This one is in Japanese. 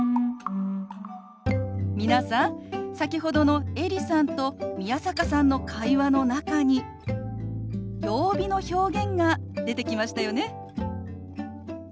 皆さん先ほどのエリさんと宮坂さんの会話の中に曜日の表現が出てきましたよね。